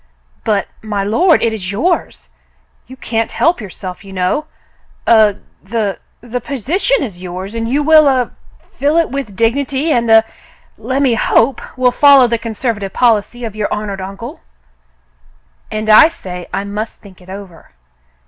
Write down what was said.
"But, my lord, it is yours ! You can't help your self, you know ; a — the — the position is yours, and you will a — fill it with dignity, and — a — let me hope will follow the conservative policy of your honored uncle." "And I say I must think it over.